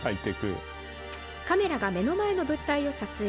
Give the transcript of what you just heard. カメラが目の前の物体を撮影。